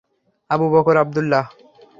Abu Bakar Abdullah.